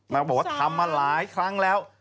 บอกว่าทำมาหลายครั้งแล้ว